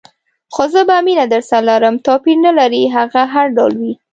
خو زه به مینه درسره لرم، توپیر نه لري هغه هر ډول وي.